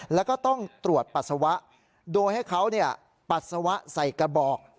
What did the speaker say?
แล้วก็ต้องตรวจปัสสาวะโดยให้เขาปัสสาวะใส่กระบอก